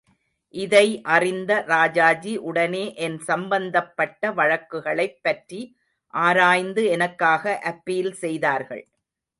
இதை அறிந்த ராஜாஜி உடனே என் சம்பந்தப்பட்ட வழக்குகளைப் பற்றி ஆராய்ந்து எனக்காக அப்பீல் செய்தார்கள்.